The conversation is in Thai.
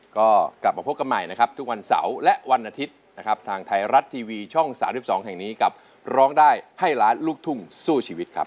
ก็กลับมาพบกันใหม่นะครับทุกวันเสาร์และวันอาทิตย์นะครับทางไทยรัฐทีวีช่อง๓๒แห่งนี้กับร้องได้ให้ล้านลูกทุ่งสู้ชีวิตครับ